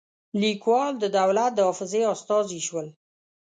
لیکوال د دولت د حافظې استازي شول.